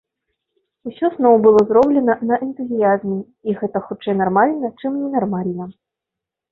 Усё зноў было зроблена на энтузіязме, і гэта хутчэй нармальна, чым ненармальна.